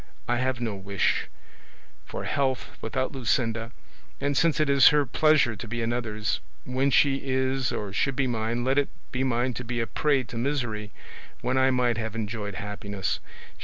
I have no wish for health without Luscinda; and since it is her pleasure to be another's, when she is or should be mine, let it be mine to be a prey to misery when I might have enjoyed happiness.